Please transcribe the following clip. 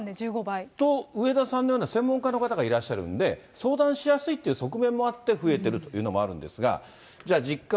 逆に言うと、上田さんのような専門家の方がいらっしゃるんで、相談しやすいという側面もあって、増えているっていうのもあるんですが。